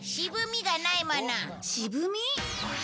渋み？